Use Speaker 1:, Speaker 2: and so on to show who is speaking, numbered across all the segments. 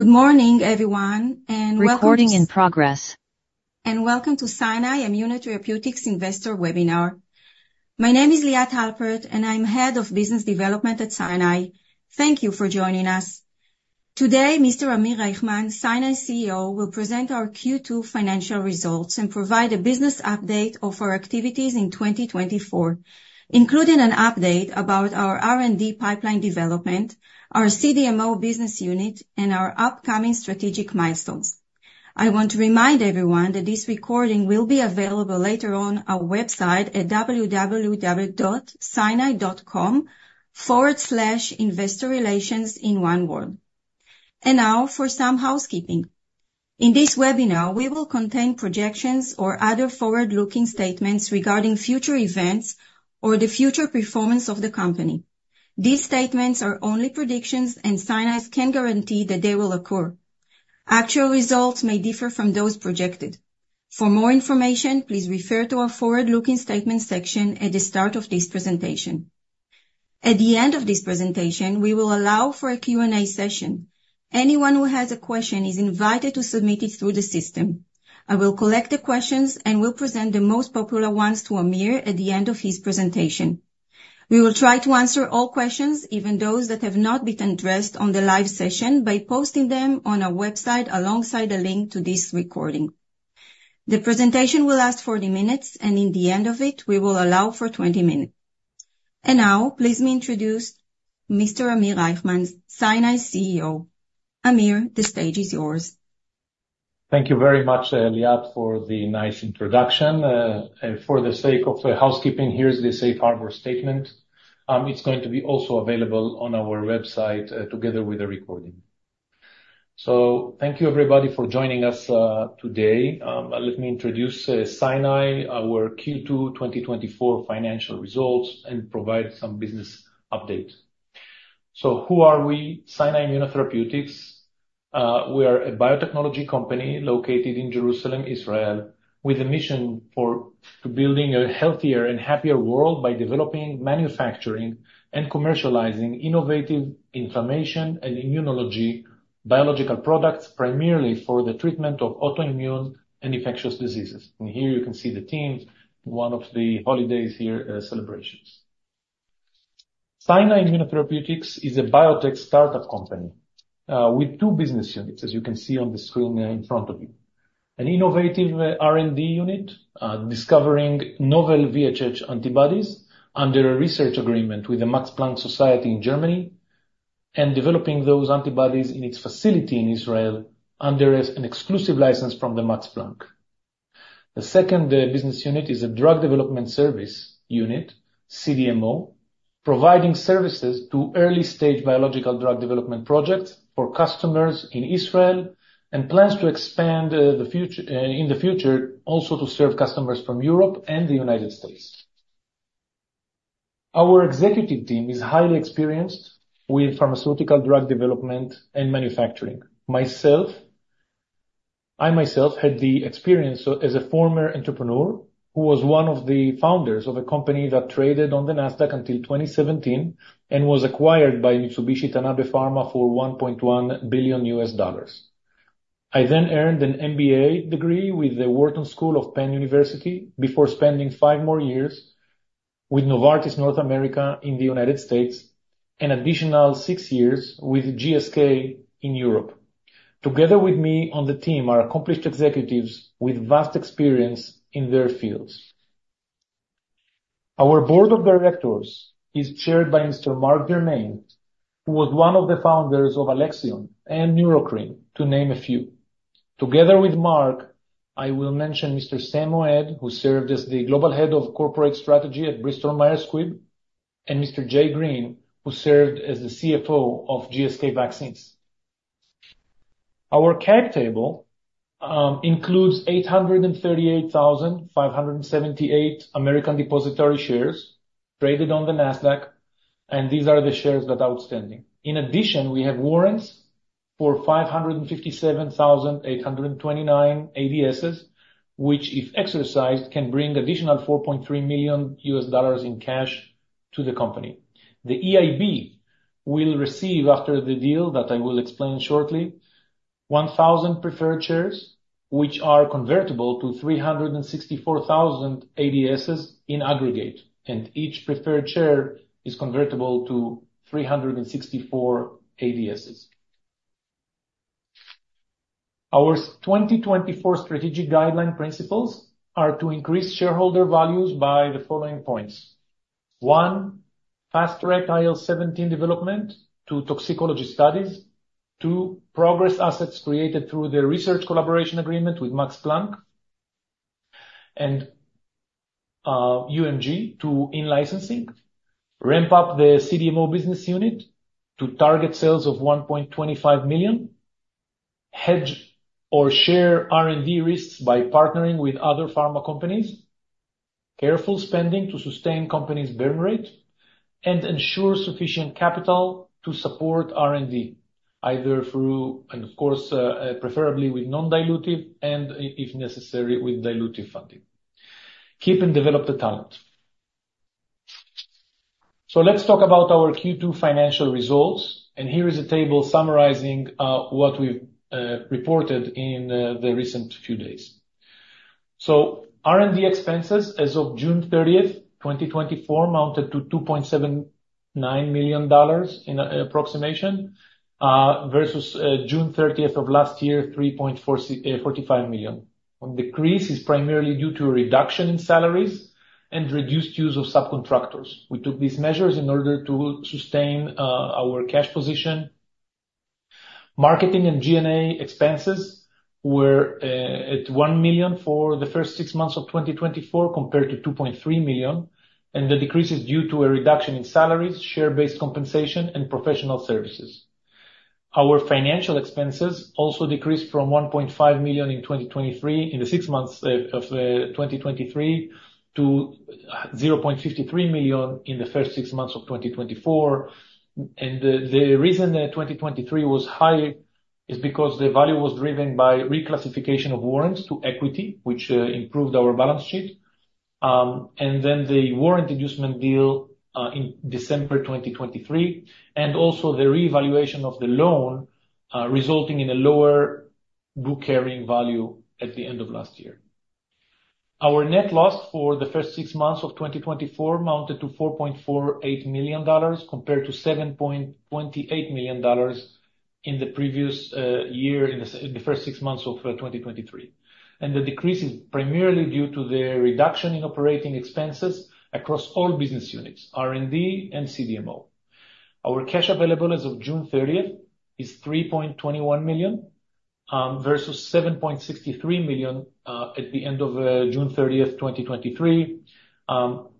Speaker 1: Good morning, everyone, and welcome to Scinai Immunotherapeutics Investor Webinar. My name is Liat Halpert, and I'm Head of Business Development at Scinai. Thank you for joining us. Today, Mr. Amir Reichman, Scinai's CEO, will present our Q2 financial results and provide a business update of our activities in twenty twenty-four, including an update about our R&D pipeline development, our CDMO business unit, and our upcoming strategic milestones. I want to remind everyone that this recording will be available later on our website at www.scinai.com/investorrelations, in one word. Now for some housekeeping. In this webinar, we will contain projections or other forward-looking statements regarding future events or the future performance of the company. These statements are only predictions, and Scinai can't guarantee that they will occur. Actual results may differ from those projected. For more information, please refer to our forward-looking statements section at the start of this presentation. At the end of this presentation, we will allow for a Q&A session. Anyone who has a question is invited to submit it through the system. I will collect the questions and will present the most popular ones to Amir at the end of his presentation. We will try to answer all questions, even those that have not been addressed on the live session, by posting them on our website alongside a link to this recording. The presentation will last forty minutes, and in the end of it, we will allow for twenty minutes. And now, please let me introduce Mr. Amir Reichman, Scinai's CEO. Amir, the stage is yours.
Speaker 2: Thank you very much, Liat, for the nice introduction. And for the sake of housekeeping, here's the safe harbor statement. It's going to be also available on our website, together with the recording. So thank you, everybody, for joining us today. Let me introduce Scinai, our Q2 2024 financial results, and provide some business update. So who are we? Scinai Immunotherapeutics, we are a biotechnology company located in Jerusalem, Israel, with a mission for building a healthier and happier world by developing, manufacturing, and commercializing innovative inflammation and immunology biological products, primarily for the treatment of autoimmune and infectious diseases. And here you can see the team, one of the holidays here, celebrations. Scinai Immunotherapeutics is a biotech startup company, with two business units, as you can see on the screen, in front of you. An innovative, R&D unit, discovering novel VHH antibodies under a research agreement with the Max Planck Society in Germany, and developing those antibodies in its facility in Israel under an exclusive license from the Max Planck. The second business unit is a drug development service unit, CDMO, providing services to early-stage biological drug development projects for customers in Israel, and plans to expand in the future, also to serve customers from Europe and the United States. Our executive team is highly experienced with pharmaceutical drug development and manufacturing. Myself, I myself had the experience as a former entrepreneur, who was one of the founders of a company that traded on the NASDAQ until 2017, and was acquired by Mitsubishi Tanabe Pharma for $1.1 billion. I then earned an MBA degree with the Wharton School of the University of Pennsylvania before spending five more years with Novartis North America in the United States, an additional six years with GSK in Europe. Together with me on the team are accomplished executives with vast experience in their fields. Our board of directors is chaired by Mr. Mark Germain, who was one of the founders of Alexion and Neurocrine, to name a few. Together with Mark, I will mention Mr. Sam Moed, who served as the Global Head of Corporate Strategy at Bristol Myers Squibb, and Mr. Jay Green, who served as the CFO of GSK Vaccines. Our cap table includes eight hundred and thirty-eight thousand five hundred and seventy-eight American Depositary Shares traded on the NASDAQ, and these are the shares that are outstanding. In addition, we have warrants for 557,829 ADSs, which, if exercised, can bring additional $4.3 million in cash to the company. The EIB will receive, after the deal that I will explain shortly, 1,000 preferred shares, which are convertible to 364,000 ADSs in aggregate, and each preferred share is convertible to 364 ADSs. Our 2024 strategic guideline principles are to increase shareholder values by the following points: One, fast-track IL-17 development to toxicology studies. Two, progress assets created through the research collaboration agreement with Max Planck and UMG to in-licensing. Ramp up the CDMO business unit to target sales of $1.25 million. Hedge or share R&D risks by partnering with other pharma companies, careful spending to sustain company's burn rate and ensure sufficient capital to support R&D, either through and of course, preferably with non-dilutive and if necessary, with dilutive funding. Keep and develop the talent. So let's talk about our Q2 financial results, and here is a table summarizing what we've reported in the recent few days. So R&D expenses as of June thirtieth, 2024, mounted to $2.79 million in approximation versus June thirtieth of last year, $3.45 million. The decrease is primarily due to a reduction in salaries and reduced use of subcontractors. We took these measures in order to sustain our cash position. Marketing and G&A expenses were at $1 million for the first six months of 2024, compared to $2.3 million, and the decrease is due to a reduction in salaries, share-based compensation, and professional services. Our financial expenses also decreased from $1.5 million in 2023, in the six months of 2023, to $0.53 million in the first six months of 2024. And the reason that 2023 was high is because the value was driven by reclassification of warrants to equity, which improved our balance sheet. And then the warrant inducement deal in December 2023, and also the revaluation of the loan resulting in a lower book carrying value at the end of last year. Our net loss for the first six months of 2024 amounted to $4.48 million, compared to $7.28 million in the previous year, in the first six months of 2023. The decrease is primarily due to the reduction in operating expenses across all business units, R&D and CDMO. Our cash available as of June 30 is $3.21 million versus $7.63 million at the end of June 30, 2023.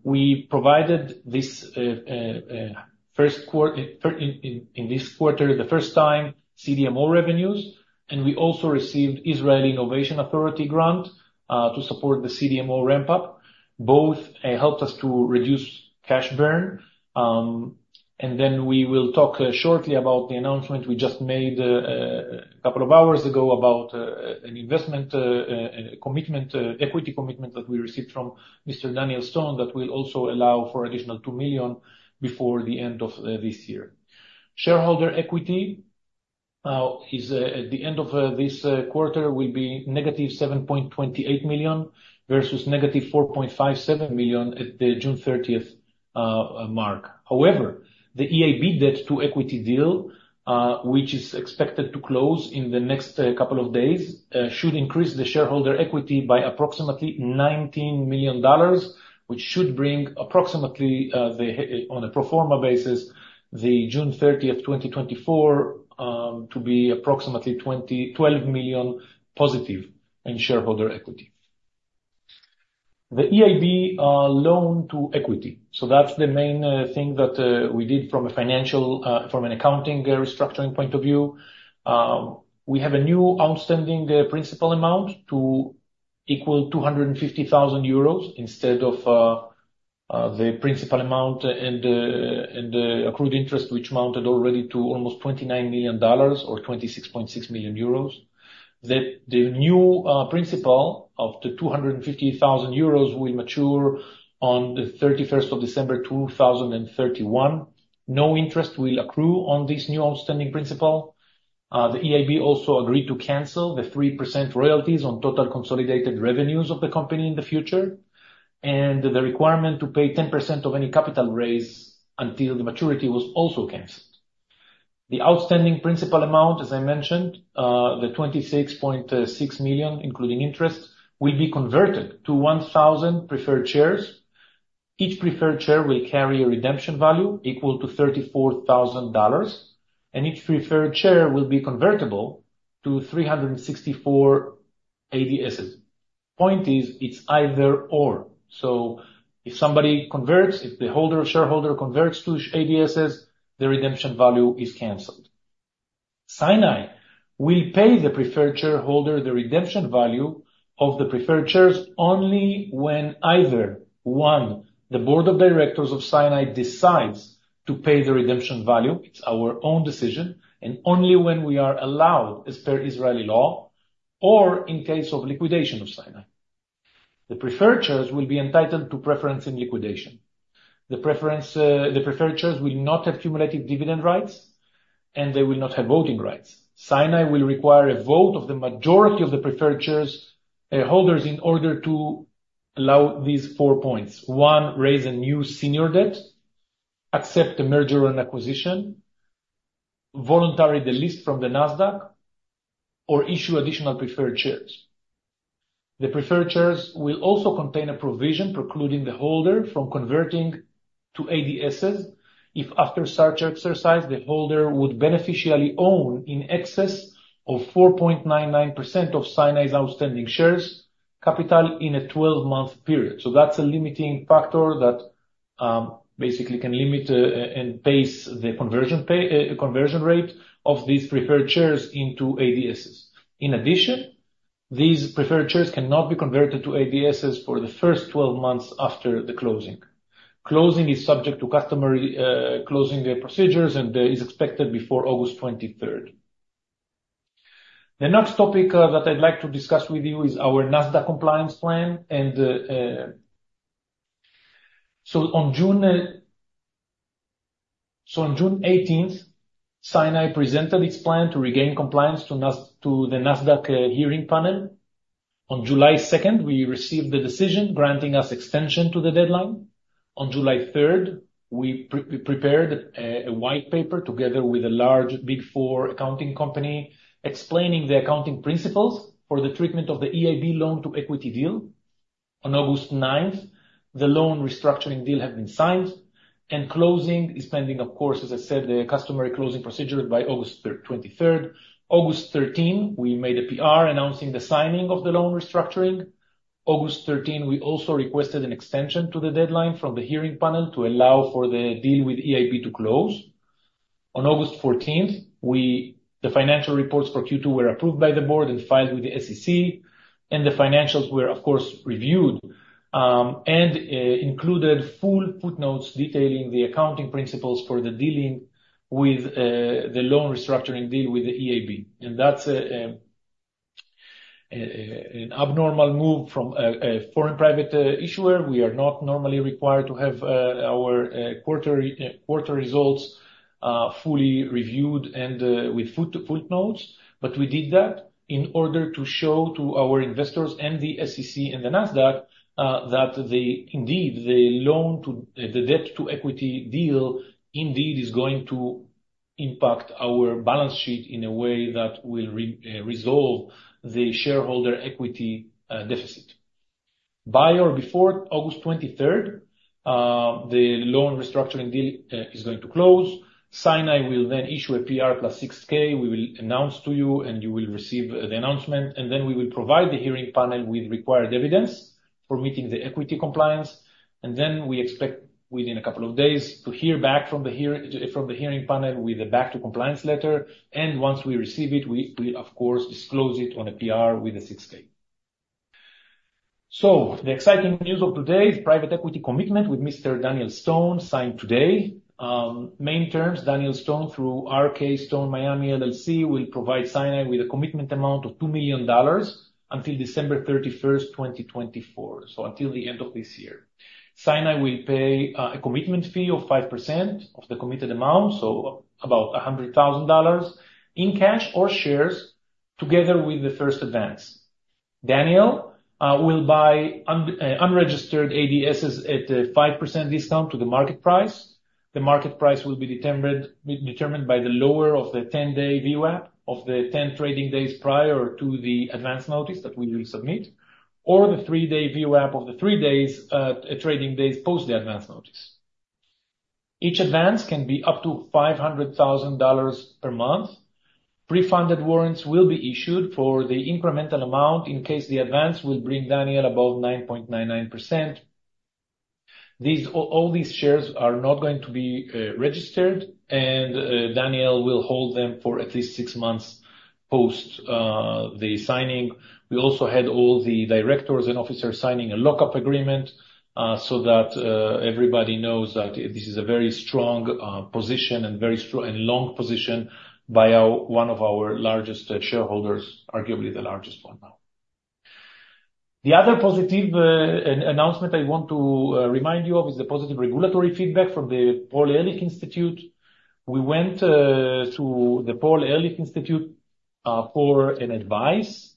Speaker 2: We provided this in this quarter, the first time, CDMO revenues, and we also received Israel Innovation Authority grant to support the CDMO ramp-up. Both helped us to reduce cash burn. And then we will talk shortly about the announcement we just made a couple of hours ago about an investment commitment, equity commitment that we received from Mr. Daniel Stone that will also allow for additional $2 million before the end of this year. Shareholder equity is at the end of this quarter, will be negative $7.28 million, versus negative $4.57 million at the June thirtieth mark. However, the EIB debt to equity deal, which is expected to close in the next couple of days, should increase the shareholder equity by approximately $19 million, which should bring approximately on a pro forma basis, the June thirtieth, 2024, to be approximately twelve million positive in shareholder equity. The EIB loan to equity. So that's the main thing that we did from a financial and accounting restructuring point of view. We have a new outstanding principal amount equal to 250,000 euros instead of the principal amount and accrued interest, which amounted already to almost $29 million or 26.6 million euros. The new principal of 250,000 euros will mature on the thirty-first of December, 2031. No interest will accrue on this new outstanding principal. The EIB also agreed to cancel the 3% royalties on total consolidated revenues of the company in the future, and the requirement to pay 10% of any capital raise until the maturity was also canceled. The outstanding principal amount, as I mentioned, the 26.6 million, including interest, will be converted to 1,000 preferred shares. Each preferred share will carry a redemption value equal to $34,000, and each preferred share will be convertible to 364 ADSs. Point is, it's either/or. So if somebody converts, if the holder or shareholder converts to ADSs, the redemption value is canceled. Scinai will pay the preferred shareholder the redemption value of the preferred shares only when either, one, the board of directors of Scinai decides to pay the redemption value, it's our own decision, and only when we are allowed as per Israeli law or in case of liquidation of Scinai. The preferred shares will be entitled to preference and liquidation. The preferred shares will not have cumulative dividend rights, and they will not have voting rights. Scinai will require a vote of the majority of the preferred shares holders in order to allow these four points: One, raise a new senior debt, accept the merger and acquisition, voluntary delist from the NASDAQ, or issue additional preferred shares. The preferred shares will also contain a provision precluding the holder from converting to ADSs if after such exercise, the holder would beneficially own in excess of 4.99% of Scinai's outstanding shares capital in a twelve-month period. So that's a limiting factor that basically can limit and pace the conversion rate of these preferred shares into ADSs. In addition, these preferred shares cannot be converted to ADSs for the first twelve months after the closing. Closing is subject to customary closing procedures and is expected before August twenty-third. The next topic that I'd like to discuss with you is our NASDAQ compliance plan, and so on June eighteenth, Scinai presented its plan to regain compliance to the NASDAQ hearing panel. On July second, we received the decision granting us extension to the deadline. On July third, we prepared a white paper together with a large Big Four accounting company, explaining the accounting principles for the treatment of the EIB loan to equity deal. On August ninth, the loan restructuring deal have been signed, and closing is pending, of course, as I said, the customary closing procedure by August twenty-third. August thirteen, we made a PR, announcing the signing of the loan restructuring. August thirteen, we also requested an extension to the deadline from the hearing panel to allow for the deal with EIB to close. On August fourteenth, the financial reports for Q2 were approved by the board and filed with the SEC, and the financials were, of course, reviewed and included full footnotes detailing the accounting principles for the dealing with the loan restructuring deal with the EIB, and that's an abnormal move from a foreign private issuer. We are not normally required to have our quarterly results fully reviewed and with footnotes, but we did that in order to show to our investors and the SEC and the NASDAQ that indeed the loan to the debt to equity deal is going to impact our balance sheet in a way that will resolve the shareholder equity deficit. By or before August twenty-third, the loan restructuring deal is going to close. Scinai will then issue a PR plus 6-K. We will announce to you, and you will receive, the announcement, and then we will provide the hearing panel with required evidence for meeting the equity compliance. And then we expect, within a couple of days, to hear back from the hearing panel with a back to compliance letter, and once we receive it, we, of course, disclose it on a PR with a 6-K. So the exciting news of today is private equity commitment with Mr. Daniel Stone, signed today. Main terms, Daniel Stone, through RK Stone Miami, LLC, will provide Scinai with a commitment amount of $2 million until December thirty-first, 2024, so until the end of this year. Scinai will pay a commitment fee of 5% of the committed amount, so about $100,000 in cash or shares together with the first advance. Daniel will buy unregistered ADSs at a 5% discount to the market price. The market price will be determined by the lower of the 10-day VWAP of the 10 trading days prior to the advance notice that we will submit, or the 3-day VWAP of the 3 trading days post the advance notice. Each advance can be up to $500,000 per month. Pre-funded warrants will be issued for the incremental amount in case the advance will bring Daniel about 9.99%. All these shares are not going to be registered, and Daniel will hold them for at least six months post the signing. We also had all the directors and officers signing a lockup agreement, so that everybody knows that this is a very strong position and very strong and long position by one of our largest shareholders, arguably the largest one now. The other positive announcement I want to remind you of is the positive regulatory feedback from the Paul-Ehrlich-Institut. We went to the Paul-Ehrlich-Institut for an advice,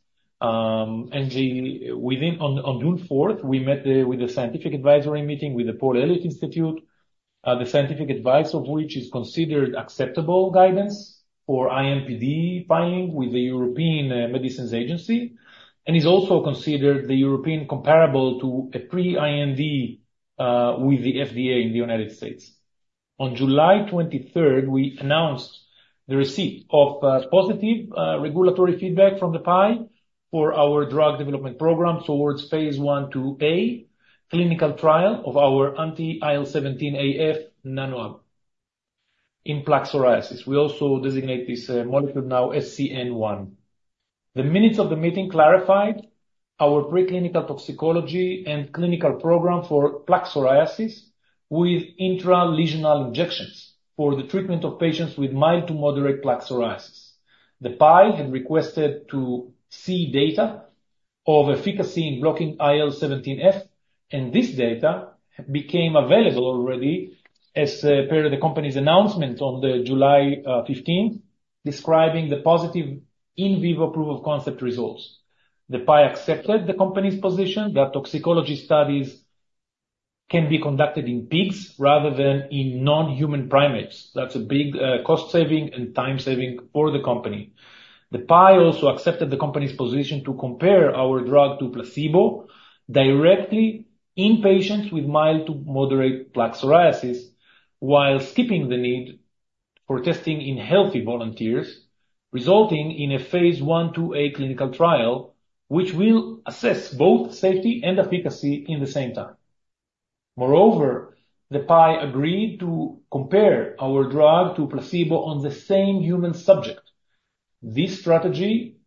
Speaker 2: and within... On June fourth, we met with the scientific advisory meeting with the Paul-Ehrlich-Institut, the scientific advice of which is considered acceptable guidance for IMPD filing with the European Medicines Agency, and is also considered the European comparable to a pre-IND with the FDA in the United States. On July twenty-third, we announced the receipt of positive regulatory feedback from the PEI for our drug development program towards Phase 1/2a clinical trial of our anti-IL-17AF NanoAb in plaque psoriasis. We also designate this molecule now SCN-1. The minutes of the meeting clarified our preclinical toxicology and clinical program for plaque psoriasis with intralesional injections for the treatment of patients with mild to moderate plaque psoriasis. The PEI had requested to see data of efficacy in blocking IL-17F, and this data became available already as per the company's announcement on the July fifteenth, describing the positive in vivo proof of concept results. The PEI accepted the company's position that toxicology studies can be conducted in pigs rather than in non-human primates. That's a big cost saving and time saving for the company. The PEI also accepted the company's position to compare our drug to placebo directly in patients with mild to moderate plaque psoriasis while skipping the need for testing in healthy volunteers, resulting in a Phase 1/2a clinical trial, which will assess both safety and efficacy in the same time. Moreover, the PEI agreed to compare our drug to placebo on the same human subject. This strategy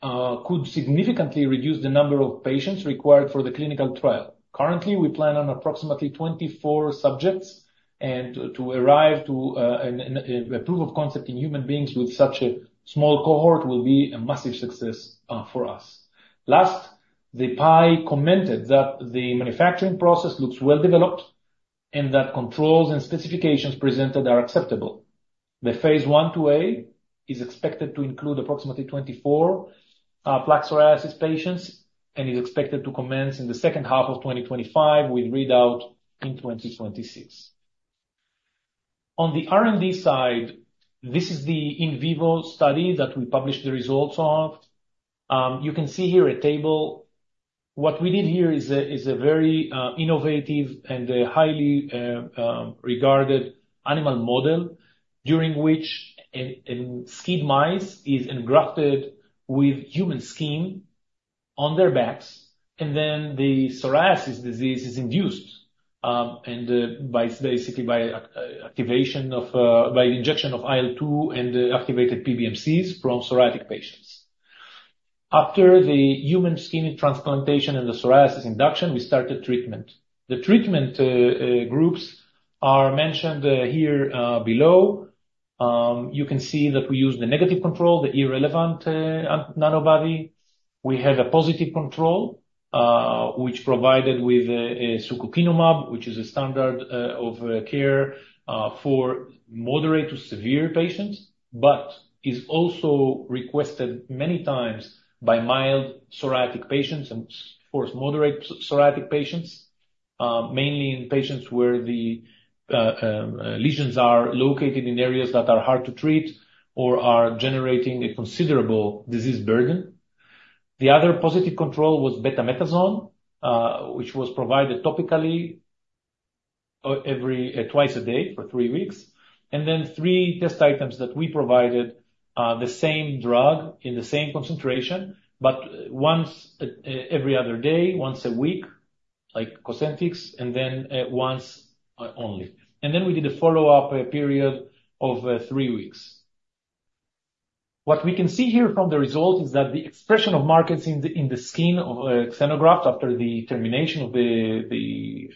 Speaker 2: could significantly reduce the number of patients required for the clinical trial. Currently, we plan on approximately 24 subjects, and to arrive to a proof of concept in human beings with such a small cohort will be a massive success for us. Last, the PEI commented that the manufacturing process looks well developed, and that controls and specifications presented are acceptable. The Phase 1/2a is expected to include approximately 24 plaque psoriasis patients, and is expected to commence in the second half of 2025, with readout in 2026. On the R&D side, this is the in vivo study that we published the results of. You can see here a table. What we did here is a very innovative and a highly regarded animal model, during which a SCID mouse is engrafted with human skin on their backs, and then the psoriasis disease is induced by injection of IL-2 and activated PBMCs from psoriatic patients. After the human skin transplantation and the psoriasis induction, we started treatment. The treatment groups are mentioned here below. You can see that we use the negative control, the irrelevant nanobody. We had a positive control, which provided with, a secukinumab, which is a standard of care for moderate to severe patients, but is also requested many times by mild psoriatic patients and, of course, moderate psoriatic patients, mainly in patients where the lesions are located in areas that are hard to treat or are generating a considerable disease burden. The other positive control was betamethasone, which was provided topically, every twice a day for three weeks, and then three test items that we provided, the same drug in the same concentration, but once every other day, once a week, like Cosentyx, and then, once only. And then we did a follow-up period of three weeks. What we can see here from the result is that the expression of markers in the skin of xenograft after the termination of the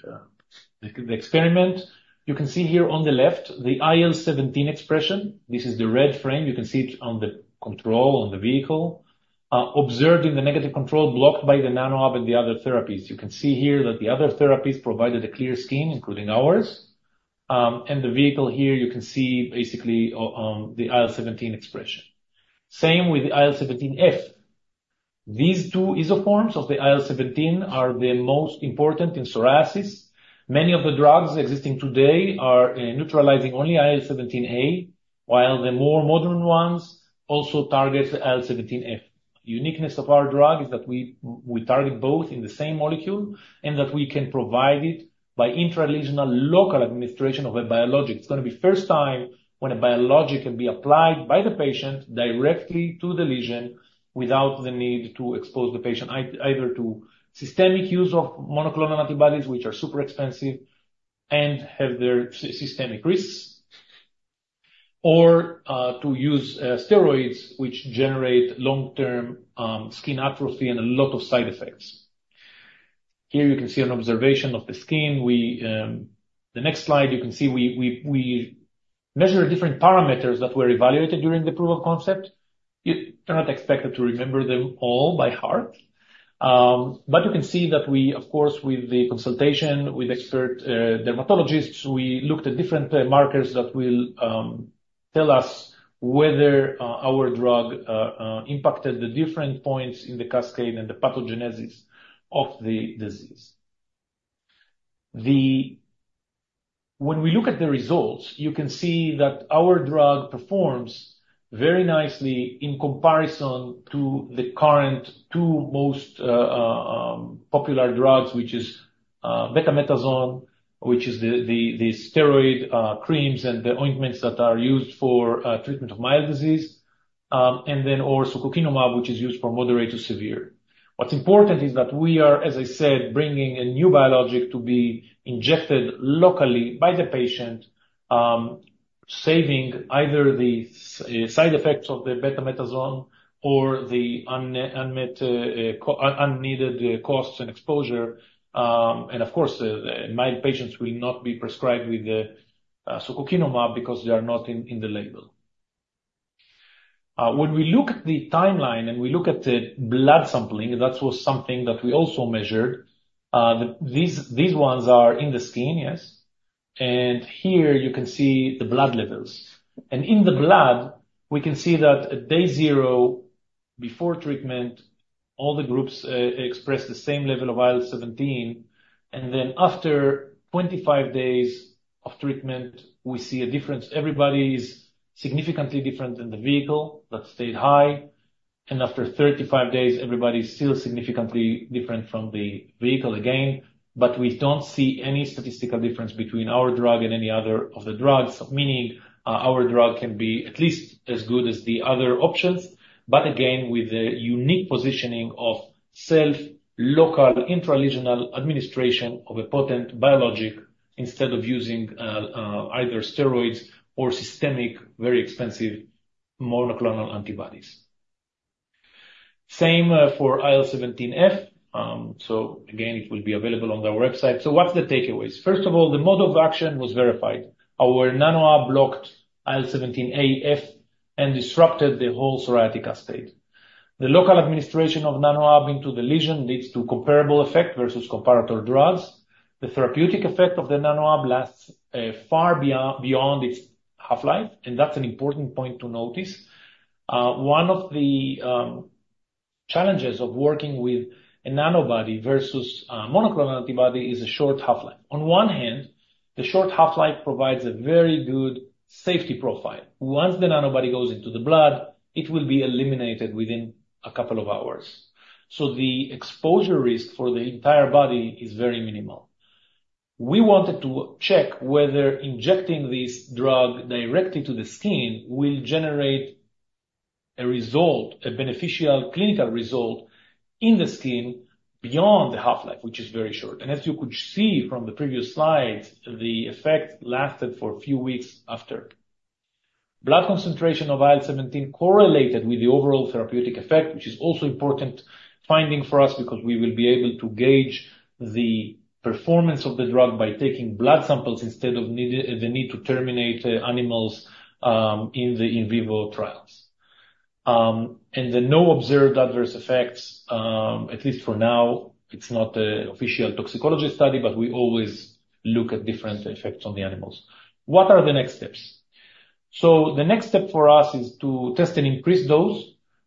Speaker 2: experiment. You can see here on the left, the IL-17 expression. This is the red frame. You can see it on the control, on the vehicle, observed in the negative control, blocked by the NanoAb and the other therapies. You can see here that the other therapies provided a clear skin, including ours, and the vehicle here, you can see basically the IL-17 expression. Same with the IL-17F. These two isoforms of the IL-17A are the most important in psoriasis. Many of the drugs existing today are neutralizing only IL-17A, while the more modern ones also target the IL-17F. Uniqueness of our drug is that we target both in the same molecule, and that we can provide it by intralesional local administration of a biologic. It's gonna be first time when a biologic can be applied by the patient directly to the lesion without the need to expose the patient either to systemic use of monoclonal antibodies, which are super expensive and have their systemic risks, or to use steroids, which generate long-term skin atrophy and a lot of side effects. Here you can see an observation of the skin. We... The next slide, you can see we measure different parameters that were evaluated during the proof of concept. You are not expected to remember them all by heart, but you can see that we, of course, with the consultation with expert dermatologists, we looked at different markers that will tell us whether our drug impacted the different points in the cascade and the pathogenesis of the disease. When we look at the results, you can see that our drug performs very nicely in comparison to the current two most popular drugs, which is betamethasone, which is the steroid creams and the ointments that are used for treatment of mild disease, and then or secukinumab, which is used for moderate to severe. What's important is that we are, as I said, bringing a new biologic to be injected locally by the patient, saving either the side effects of the betamethasone or the unneeded costs and exposure. And of course, my patients will not be prescribed with the secukinumab because they are not in the label. When we look at the timeline, and we look at the blood sampling, that was something that we also measured. These ones are in the skin, yes. And here you can see the blood levels. And in the blood, we can see that at day zero, before treatment, all the groups express the same level of IL-17, and then after twenty-five days of treatment, we see a difference. Everybody's significantly different than the vehicle, but stayed high. After 35 days, everybody is still significantly different from the vehicle again, but we don't see any statistical difference between our drug and any other of the drugs, meaning our drug can be at least as good as the other options, but again, with the unique positioning of self-local intralesional administration of a potent biologic instead of using either steroids or systemic, very expensive monoclonal antibodies. Same for IL-17F. It will be available on our website. What's the takeaways? First of all, the mode of action was verified. Our NanoAb blocked IL-17A, F, and disrupted the whole psoriatic cascade. The local administration of NanoAb into the lesion leads to comparable effect versus comparator drugs. The therapeutic effect of the NanoAb lasts far beyond its half-life, and that's an important point to notice. One of the challenges of working with a nanobody versus monoclonal antibody is a short half-life. On one hand, the short half-life provides a very good safety profile. Once the nanobody goes into the blood, it will be eliminated within a couple of hours, so the exposure risk for the entire body is very minimal. We wanted to check whether injecting this drug directly to the skin will generate a result, a beneficial clinical result, in the skin beyond the half-life, which is very short. As you could see from the previous slides, the effect lasted for a few weeks after. Blood concentration of IL-17 correlated with the overall therapeutic effect, which is also important finding for us because we will be able to gauge the performance of the drug by taking blood samples instead of the need to terminate animals in the in vivo trials. And no observed adverse effects, at least for now, it's not an official toxicology study, but we always look at different effects on the animals. What are the next steps? So the next step for us is to test and increase dose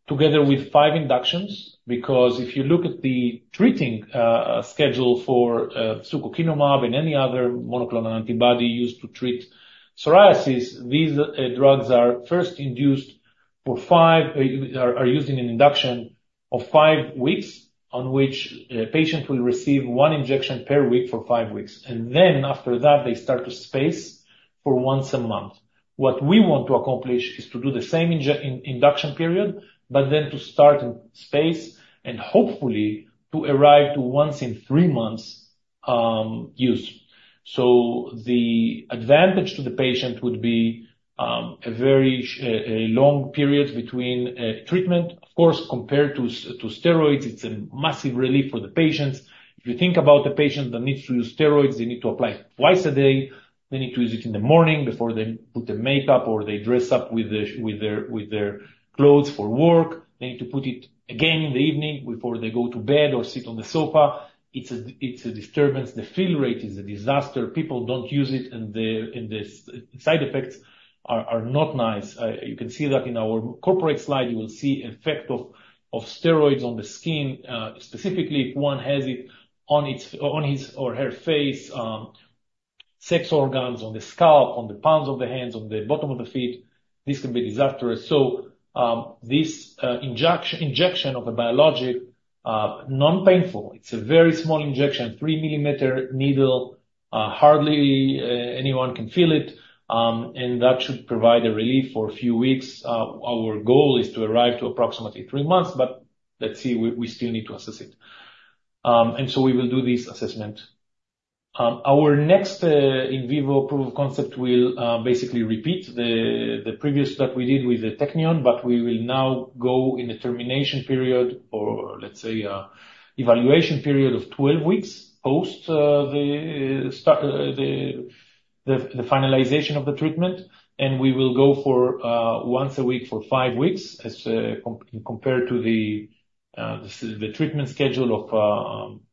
Speaker 2: together with five inductions, because if you look at the treating schedule for secukinumab and any other monoclonal antibody used to treat psoriasis, these drugs are first induced for five... They are used in an induction of five weeks, on which a patient will receive one injection per week for five weeks, and then after that, they start to space for once a month. What we want to accomplish is to do the same induction period, but then to start to space, and hopefully to arrive to once in three months use. So the advantage to the patient would be a very long period between treatment. Of course, compared to steroids, it's a massive relief for the patients. If you think about the patient that needs to use steroids, they need to apply twice a day. They need to use it in the morning before they put their makeup or they dress up with their clothes for work. They need to put it again in the evening before they go to bed or sit on the sofa. It's a disturbance. The fill rate is a disaster. People don't use it, and the side effects are not nice. You can see that in our corporate slide. You will see effect of steroids on the skin. Specifically, if one has it on his or her face, sex organs, on the scalp, on the palms of the hands, on the bottom of the feet, this can be disastrous, so this injection of a biologic, non-painful. It's a very small injection, three-millimeter needle. Hardly anyone can feel it, and that should provide a relief for a few weeks. Our goal is to arrive to approximately three months, but let's see, we still need to assess it. And so we will do this assessment. Our next in vivo proof of concept will basically repeat the previous step we did with the Technion, but we will now go in the termination period or let's say evaluation period of twelve weeks post the start the finalization of the treatment. We will go for once a week for five weeks, as compared to the treatment schedule of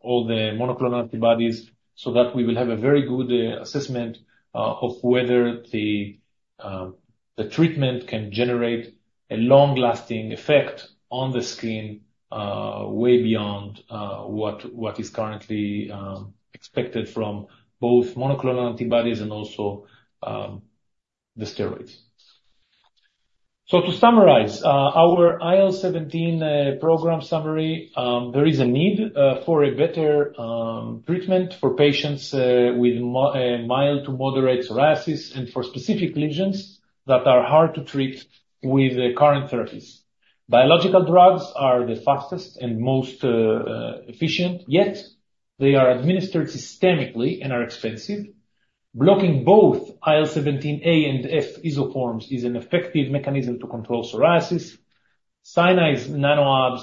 Speaker 2: all the monoclonal antibodies, so that we will have a very good assessment of whether the treatment can generate a long-lasting effect on the skin way beyond what is currently expected from both monoclonal antibodies and also the steroids. To summarize our IL-17 program summary, there is a need for a better treatment for patients with mild to moderate psoriasis and for specific lesions that are hard to treat with the current therapies. Biological drugs are the fastest and most efficient, yet they are administered systemically and are expensive. Blocking both IL-17A and F isoforms is an effective mechanism to control psoriasis. Scinai's NanoAb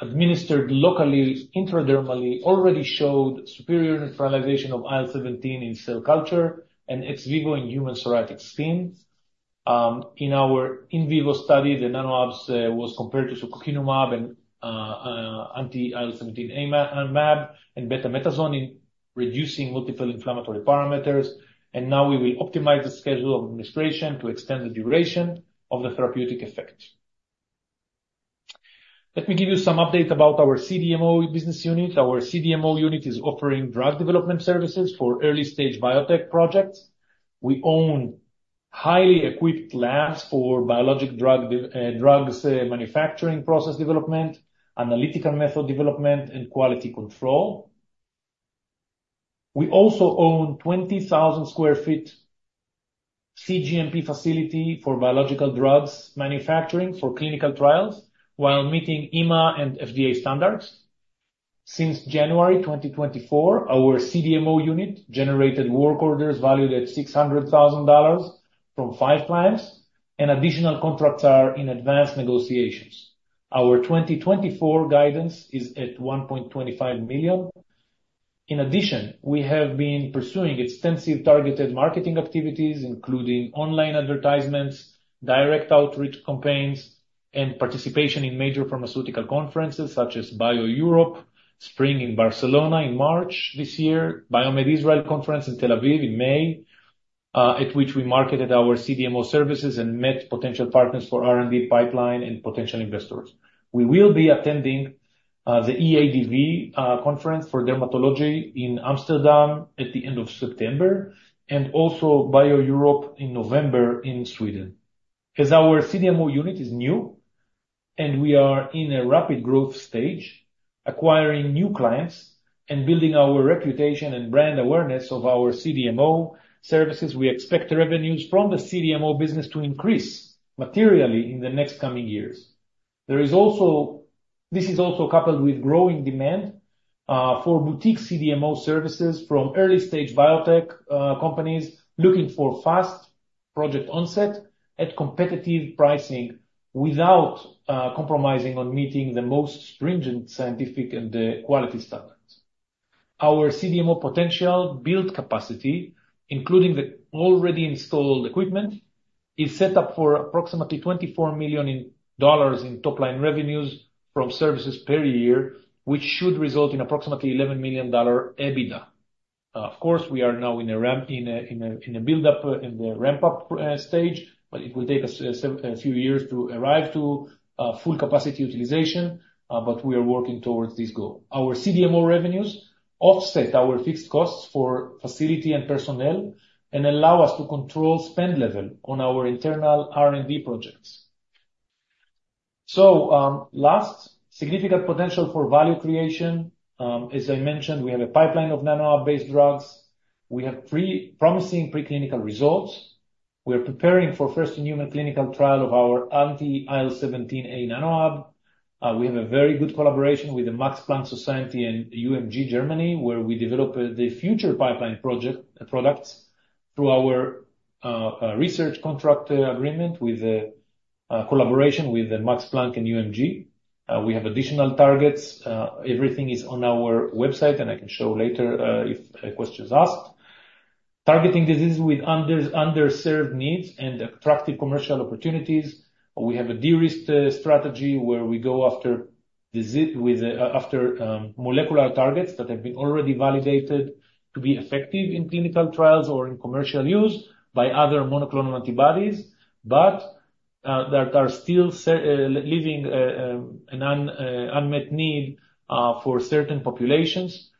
Speaker 2: administered locally intradermally already showed superior neutralization of IL-17 in cell culture and ex vivo in human psoriatic skin. In our in vivo study, the NanoAbs was compared to secukinumab and anti-IL-17A mAb and betamethasone in reducing multiple inflammatory parameters. Now we will optimize the schedule of administration to extend the duration of the therapeutic effect. Let me give you some update about our CDMO business unit. Our CDMO unit is offering drug development services for early-stage biotech projects. We own highly equipped labs for biologic drug manufacturing, process development, analytical method development, and quality control. We also own 20,000 sq ft cGMP facility for biological drugs manufacturing for clinical trials, while meeting EMA and FDA standards. Since January 2024, our CDMO unit generated work orders valued at $600,000 from five clients, and additional contracts are in advanced negotiations. Our 2024 guidance is at $1.25 million. In addition, we have been pursuing extensive targeted marketing activities, including online advertisements, direct outreach campaigns, and participation in major pharmaceutical conferences such as BioEurope Spring in Barcelona in March this year, Biomed Israel Conference in Tel Aviv in May, at which we marketed our CDMO services and met potential partners for R&D pipeline and potential investors. We will be attending the EADV conference for dermatology in Amsterdam at the end of September, and also BioEurope in November in Sweden. As our CDMO unit is new, and we are in a rapid growth stage, acquiring new clients and building our reputation and brand awareness of our CDMO services, we expect the revenues from the CDMO business to increase materially in the next coming years. There is also this is also coupled with growing demand for boutique CDMO services from early-stage biotech companies looking for fast project onset at competitive pricing without compromising on meeting the most stringent scientific and quality standards. Our CDMO potential build capacity, including the already installed equipment, is set up for approximately $24 million in top line revenues from services per year, which should result in approximately $11 million EBITDA. Of course, we are now in a ramp, in a buildup, in the ramp-up stage, but it will take us a few years to arrive to full capacity utilization, but we are working towards this goal. Our CDMO revenues offset our fixed costs for facility and personnel and allow us to control spend level on our internal R&D projects, so significant potential for value creation. As I mentioned, we have a pipeline of NanoAb-based drugs. We have promising preclinical results. We are preparing for first human clinical trial of our anti-IL-17A NanoAb. We have a very good collaboration with the Max Planck Society and UMG Germany, where we develop the future pipeline project, products through our research contract agreement with the collaboration with the Max Planck and UMG. We have additional targets. Everything is on our website, and I can show later if a question is asked. Targeting diseases with underserved needs and attractive commercial opportunities. We have a de-risked strategy, where we go after molecular targets that have been already validated to be effective in clinical trials or in commercial use by other monoclonal antibodies, but that are still leaving an unmet need for certain populations.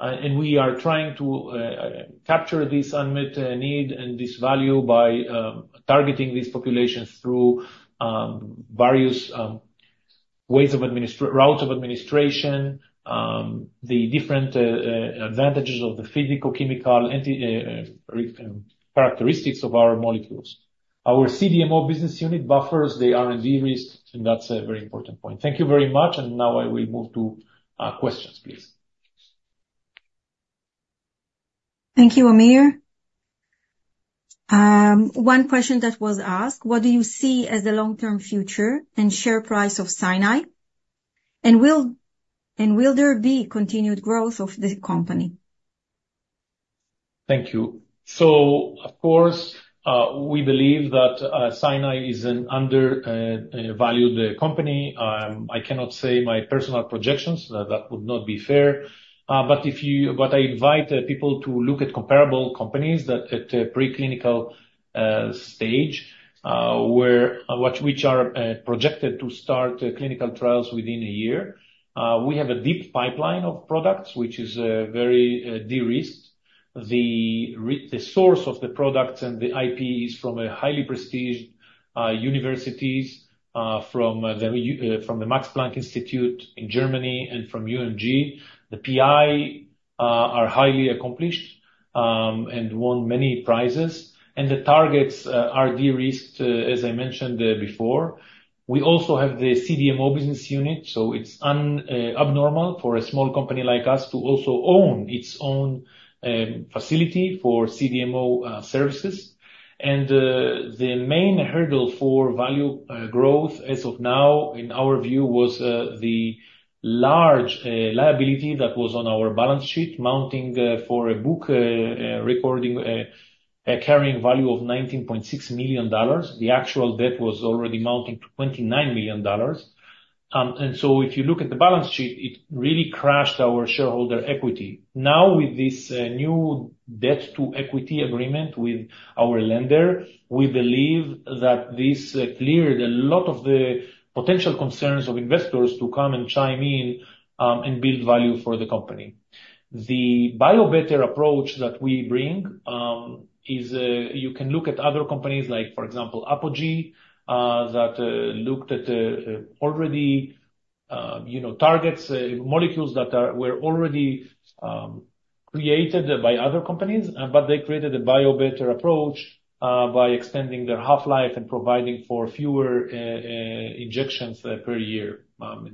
Speaker 2: We are trying to capture this unmet need and this value by targeting these populations through various routes of administration, the different advantages of the physicochemical characteristics of our molecules. Our CDMO business unit buffers the R&D risk, and that's a very important point. Thank you very much, and now I will move to questions, please. Thank you, Amir. One question that was asked: What do you see as the long-term future and share price of Scinai? And will there be continued growth of the company? Thank you. So of course, we believe that Scinai is an undervalued company. I cannot say my personal projections. That would not be fair. But I invite people to look at comparable companies that at a preclinical stage which are projected to start clinical trials within a year. We have a deep pipeline of products, which is very de-risked. The source of the products and the IP is from a highly prestigious universities from the Max Planck Institute in Germany and from UMG. The PEI are highly accomplished and won many prizes, and the targets are de-risked as I mentioned before. We also have the CDMO business unit, so it's unusual for a small company like us to also own its own facility for CDMO services. And the main hurdle for value growth, as of now, in our view, was the large liability that was on our balance sheet amounting to a book-recorded carrying value of $19.6 million. The actual debt was already amounting to $29 million. And so if you look at the balance sheet, it really crashed our shareholder equity. Now, with this new debt-to-equity agreement with our lender, we believe that this cleared a lot of the potential concerns of investors to come and chime in and build value for the company. The biobetter approach that we bring, is, you can look at other companies like, for example, Apogee, that, looked at the, already-... you know, targets, molecules that are, were already, created by other companies, but they created a biobetter approach, by extending their half-life and providing for fewer, injections per year.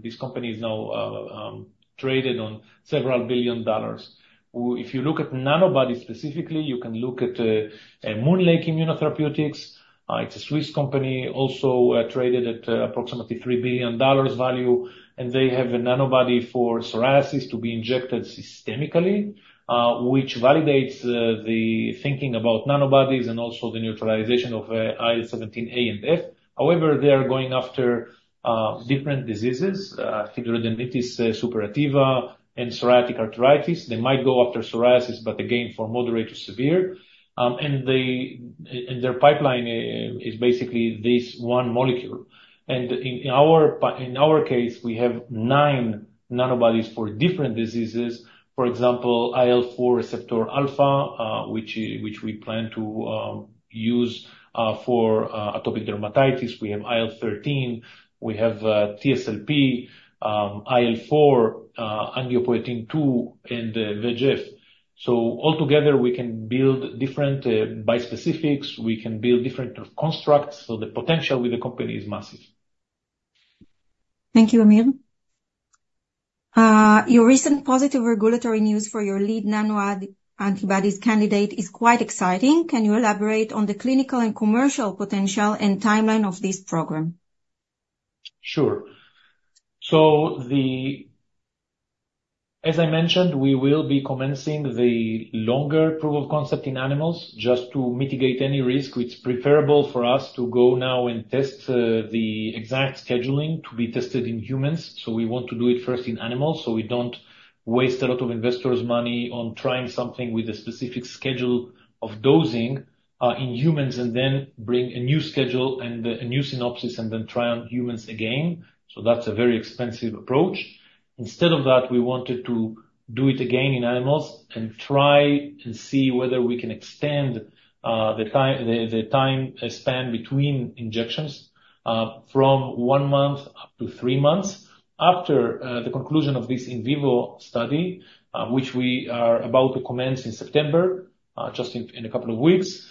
Speaker 2: This company is now, traded on several billion dollars. If you look at nanobody specifically, you can look at, at MoonLake Immunotherapeutics. It's a Swiss company, also, traded at approximately $3 billion value, and they have a nanobody for psoriasis to be injected systemically, which validates, the thinking about nanobodies and also the neutralization of, IL-17A and F. However, they are going after, different diseases, psoriatic arthritis, hidradenitis suppurativa, and psoriatic arthritis. They might go after psoriasis, but again, for moderate to severe. And their pipeline is basically this one molecule. And in our case, we have nine nanobodies for different diseases. For example, IL-4 receptor alpha, which we plan to use for atopic dermatitis. We have IL-13, we have TSLP, IL-4, angiopoietin-2, and VEGF. So altogether, we can build different bispecifics, we can build different constructs, so the potential with the company is massive. Thank you, Amir. Your recent positive regulatory news for your lead nano antibodies candidate is quite exciting. Can you elaborate on the clinical and commercial potential and timeline of this program? Sure. As I mentioned, we will be commencing the longer proof of concept in animals, just to mitigate any risk. It's preferable for us to go now and test the exact scheduling to be tested in humans. So we want to do it first in animals, so we don't waste a lot of investors' money on trying something with a specific schedule of dosing in humans, and then bring a new schedule and a new synopsis and then try on humans again. So that's a very expensive approach. Instead of that, we wanted to do it again in animals and try to see whether we can extend the time span between injections from one month up to three months. After the conclusion of this in vivo study, which we are about to commence in September, just in a couple of weeks,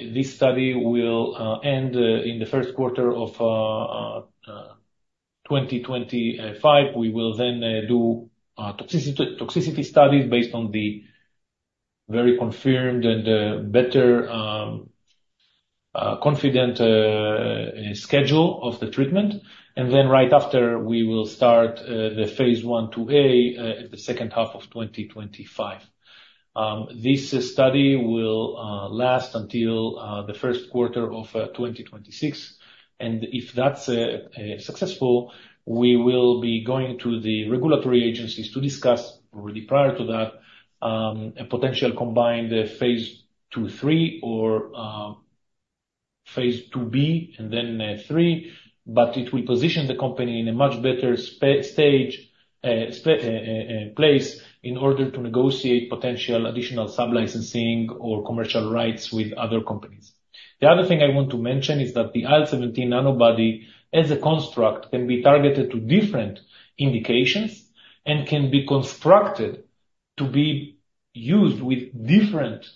Speaker 2: this study will end in the Q1 of 2025. We will then do toxicity studies based on the very confirmed and better confident schedule of the treatment. And then right after, we will start the phase I2 A at the second half of 2025. This study will last until the Q1 of 2026, and if that's successful, we will be going to the regulatory agencies to discuss, really prior to that, a potential combined Phase 2/3, or Phase 2b, and then three. But it will position the company in a much better place, in order to negotiate potential additional sub-licensing or commercial rights with other companies. The other thing I want to mention is that the IL-17 nanobody, as a construct, can be targeted to different indications and can be constructed to be used with different,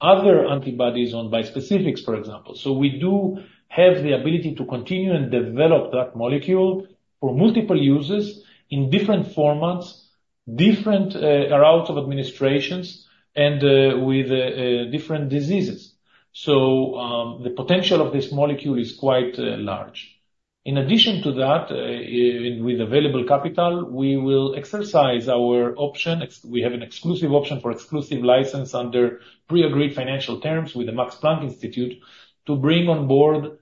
Speaker 2: other antibodies on bispecifics, for example. So we do have the ability to continue and develop that molecule for multiple uses in different formats, different routes of administrations and with different diseases. So the potential of this molecule is quite large. In addition to that, with available capital, we will exercise our option. We have an exclusive option for exclusive license under pre-agreed financial terms with the Max Planck Institute, to bring on board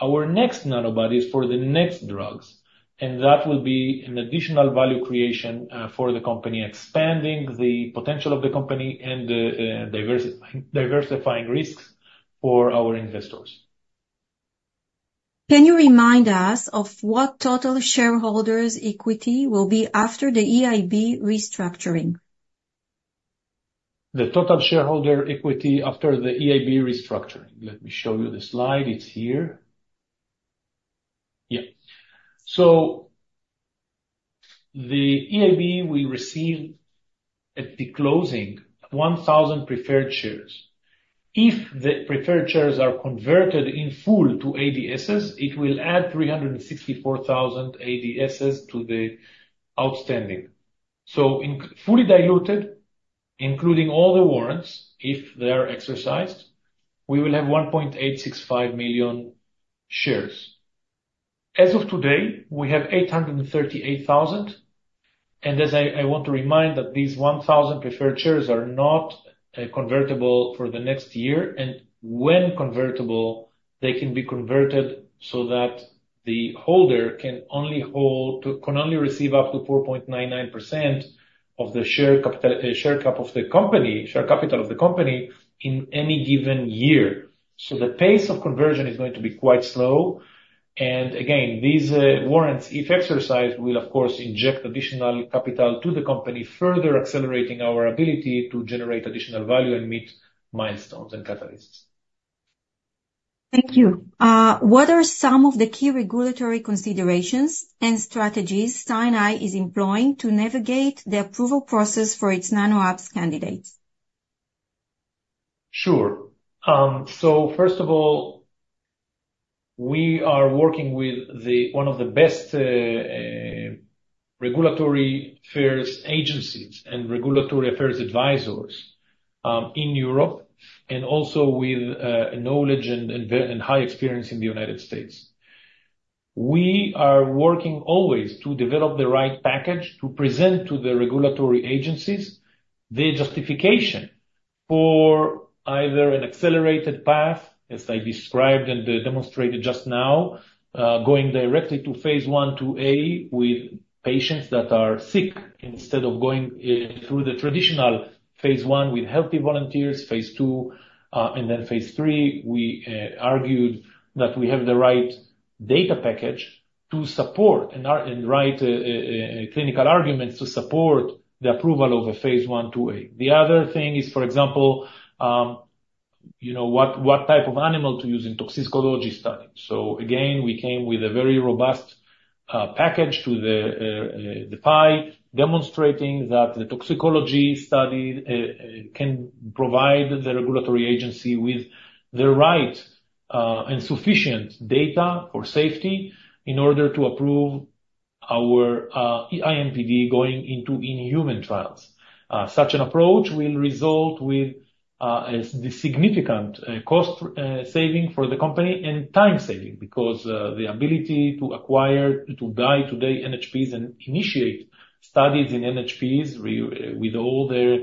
Speaker 2: our next nanobodies for the next drugs. That will be an additional value creation for the company, expanding the potential of the company and diversifying risks for our investors. Can you remind us of what total shareholders' equity will be after the EIB restructuring? The total shareholder equity after the EIB restructuring? Let me show you the slide. It's here. Yeah. So the EIB will receive, at the closing, 1,000 preferred shares. If the preferred shares are converted in full to ADSs, it will add 364,000 ADSs to the outstanding. So fully diluted, including all the warrants, if they are exercised, we will have 1.865 million shares. As of today, we have 838,000, and as I want to remind that these 1,000 preferred shares are not convertible for the next year, and when convertible, they can be converted so that the holder can only receive up to 4.99% of the share capital of the company in any given year. So the pace of conversion is going to be quite slow. And again, these warrants, if exercised, will of course inject additional capital to the company, further accelerating our ability to generate additional value and meet milestones and catalysts....
Speaker 1: Thank you. What are some of the key regulatory considerations and strategies Scinai is employing to navigate the approval process for its NanoAb candidates?
Speaker 2: Sure, so first of all, we are working with one of the best regulatory affairs agencies and regulatory affairs advisors in Europe, and also with knowledge and very high experience in the United States. We are working always to develop the right package to present to the regulatory agencies, the justification for either an accelerated path, as I described and demonstrated just now, going directly to phase I to A with patients that are sick, instead of going through the traditional phase I with healthy volunteers, phase II, and then phase III. We argued that we have the right data package to support and write clinical arguments to support the approval of a phase I to A. The other thing is, for example, you know, what type of animal to use in toxicology studies. So again, we came with a very robust package to the PEI, demonstrating that the toxicology study can provide the regulatory agency with the right and sufficient data for safety in order to approve our IMPD going into in-human trials. Such an approach will result with a significant cost saving for the company and time saving, because the ability to acquire, to guide today NHPs and initiate studies in NHPs with all their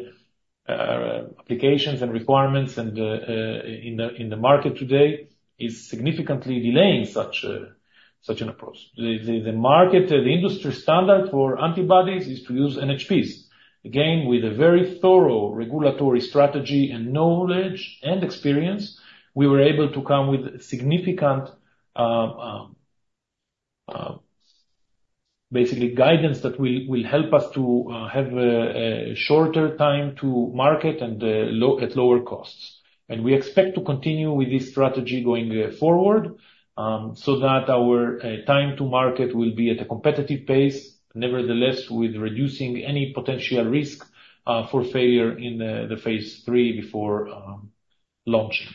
Speaker 2: applications and requirements and in the market today is significantly delaying such an approach. The market, the industry standard for antibodies is to use NHPs. Again, with a very thorough regulatory strategy and knowledge and experience, we were able to come with significant basically guidance that will help us to have a shorter time to market and at lower costs, and we expect to continue with this strategy going forward, so that our time to market will be at a competitive pace. Nevertheless, with reducing any potential risk for failure in the phase III before launch.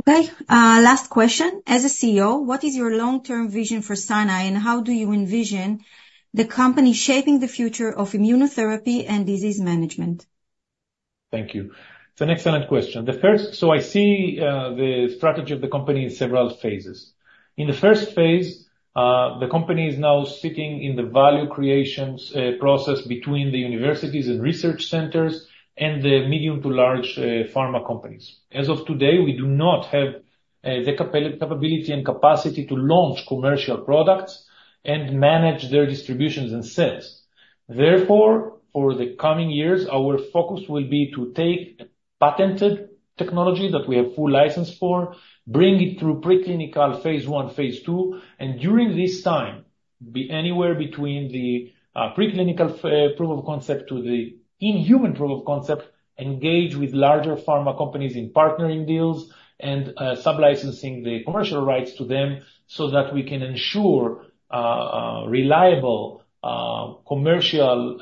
Speaker 1: Okay. Last question. As a CEO, what is your long-term vision for Scinai, and how do you envision the company shaping the future of immunotherapy and disease management?
Speaker 2: Thank you. It's an excellent question. So I see the strategy of the company in several phases. In the first phase, the company is now sitting in the value creation process between the universities and research centers, and the medium to large pharma companies. As of today, we do not have the capability and capacity to launch commercial products and manage their distributions and sales. Therefore, for the coming years, our focus will be to take a patented technology that we have full license for, bring it through preclinical phase I, phase II, and during this time, be anywhere between the preclinical proof of concept to the in-human proof of concept, engage with larger pharma companies in partnering deals, and sub-licensing the commercial rights to them, so that we can ensure reliable commercial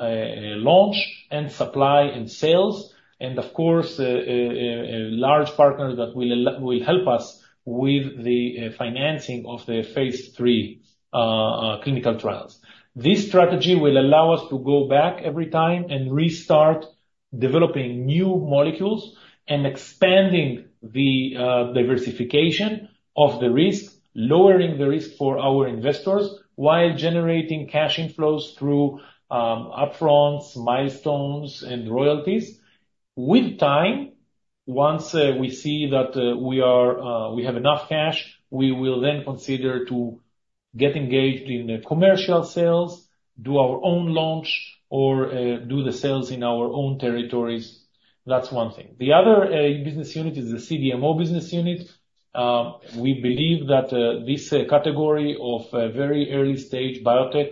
Speaker 2: launch and supply and sales, and of course a large partner that will help us with the financing of the phase III clinical trials. This strategy will allow us to go back every time and restart developing new molecules and expanding the diversification of the risk, lowering the risk for our investors, while generating cash inflows through up-fronts, milestones, and royalties. With time, once, we see that, we are, we have enough cash, we will then consider to get engaged in commercial sales, do our own launch, or, do the sales in our own territories. That's one thing. The other, business unit is the CDMO business unit. We believe that, this, category of, very early-stage biotech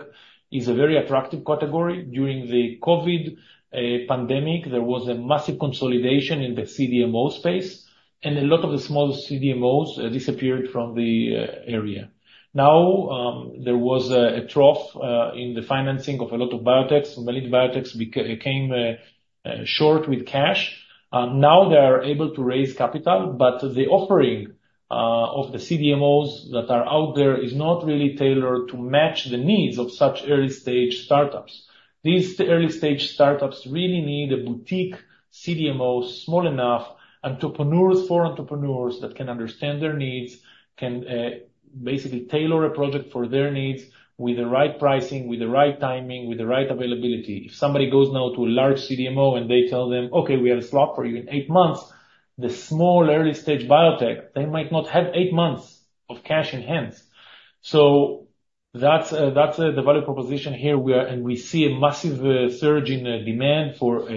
Speaker 2: is a very attractive category. During the COVID, pandemic, there was a massive consolidation in the CDMO space, and a lot of the small CDMOs, disappeared from the, area. Now, there was a, a trough, in the financing of a lot of biotechs. Many biotechs became, short with cash. Now they are able to raise capital, but the offering of the CDMOs that are out there is not really tailored to match the needs of such early-stage startups. These early-stage startups really need a boutique CDMO, small enough, entrepreneurs for entrepreneurs that can understand their needs, can basically tailor a project for their needs with the right pricing, with the right timing, with the right availability. If somebody goes now to a large CDMO, and they tell them, "Okay, we have a slot for you in eight months," the small, early-stage biotech, they might not have eight months of cash in hands. So that's the value proposition here, we are and we see a massive surge in demand for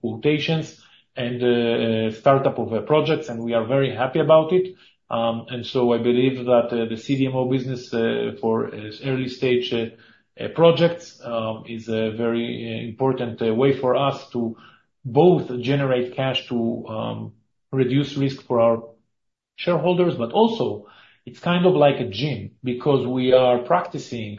Speaker 2: quotations and startup of their projects, and we are very happy about it. I believe that the CDMO business for early-stage projects is a very important way for us to both generate cash to reduce risk for our shareholders, but also it's kind of like a gym, because we are practicing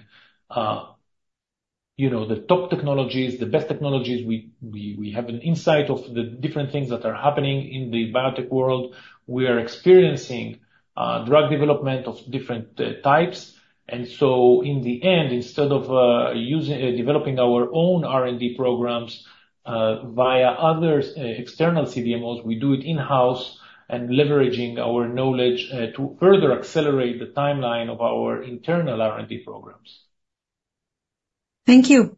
Speaker 2: you know the top technologies, the best technologies. We have an insight of the different things that are happening in the biotech world. We are experiencing drug development of different types. And so in the end, instead of using developing our own R&D programs via other external CDMOs, we do it in-house and leveraging our knowledge to further accelerate the timeline of our internal R&D programs.
Speaker 1: Thank you.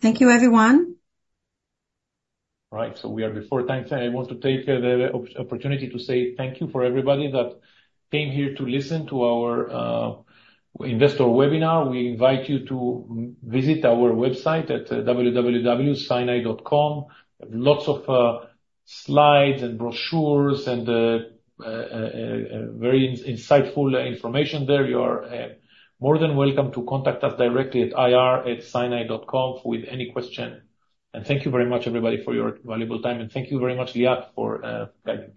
Speaker 1: Thank you, everyone.
Speaker 2: Right. So we are at four times. I want to take the opportunity to say thank you for everybody that came here to listen to our investor webinar. We invite you to visit our website at www.scinai.com. Lots of slides and brochures and very insightful information there. You are more than welcome to contact us directly at ir@scinai.com with any question. And thank you very much, everybody, for your valuable time, and thank you very much, Liat, for guiding me.